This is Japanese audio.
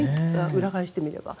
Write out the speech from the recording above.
裏返してみれば。